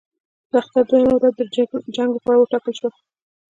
د اختر دوهمه ورځ د جنګ لپاره وټاکل شوه.